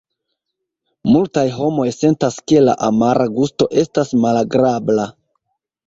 Multaj homoj sentas ke la amara gusto estas malagrabla.